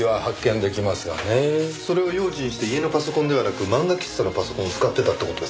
それを用心して家のパソコンではなく漫画喫茶のパソコンを使ってたって事ですか？